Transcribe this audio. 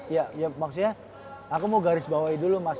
ya ya maksudnya aku mau garis bawahi dulu mas